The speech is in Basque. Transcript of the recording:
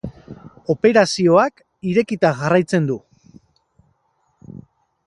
Operazioak irekita jarraitzen du.